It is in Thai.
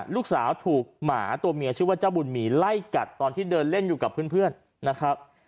ลูกสาวถูกหมาตัวเมียชื่อว่าเจ้าบุญหมีไล่กัดตอนที่เดินเล่นอยู่กับเพื่อนนะครับ